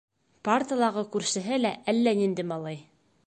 Парталағы күршеһе лә әллә ниндәй малай.